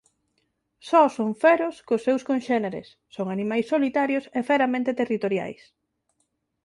Só son feros cos seus conxéneres; son animais solitarios e feramente territoriais.